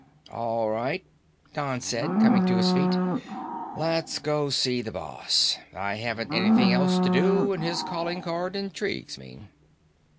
"All right," Don said, coming to his feet. "Let's go see the boss, I haven't anything else to do and his calling card intrigues me."